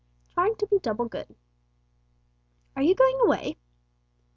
IX TRYING TO BE "DOUBLE GOOD" "Are you going away?"